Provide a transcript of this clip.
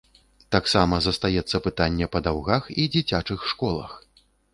Таксама застаецца пытанне па даўгах і дзіцячых школах.